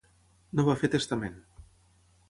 No va fer testament.